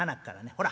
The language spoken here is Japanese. ほら。